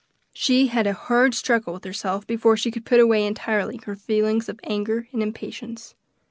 She had a hard struggle with herself before she could put away entirely her feelings of anger and impatience.